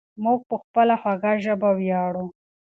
موږ په خپله خوږه ژبه ویاړو.